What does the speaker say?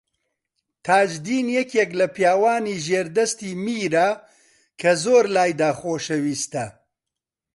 تاجدین یەکێک لە پیاوانی ژێردەستی میرە کە زۆر لایدا خۆشەویستە